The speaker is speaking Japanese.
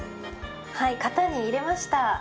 はい型に入れました。